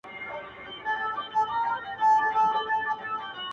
دا وطن به خپل مالک ته تسلمیږي؛